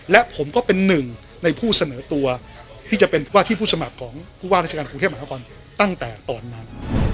และผมก็เป็นหนึ่งในผู้เสนอตัวที่จะเป็นว่าที่ผู้สมัครของผู้ว่าราชการกรุงเทพมหานครตั้งแต่ตอนนั้น